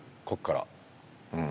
ここから。